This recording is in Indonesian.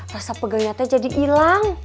rasa pegang nyata jadi hilang